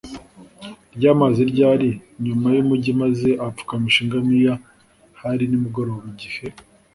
ry amazi ryari inyuma y umugi maze ahapfukamisha ingamiya hari nimugoroba igihe